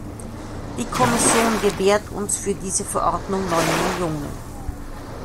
Die Kommission gewährt uns für diese Verordnung neun Millionen.